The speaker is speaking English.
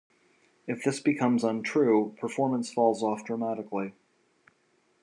If this becomes untrue, performance falls off dramatically.